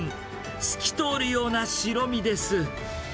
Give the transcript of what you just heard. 透き通るような白身です。